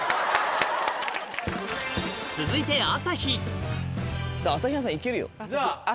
続いて朝日朝日。